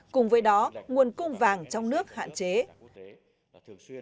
cùng với đó nguồn cung vàng trong nước hạn chế